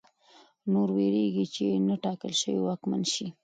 نور وېرېږي چې نا ټاکل شوی واکمن شي.